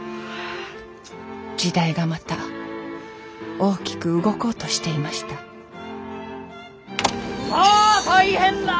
時代がまた大きく動こうとしていましたさあ大変だ！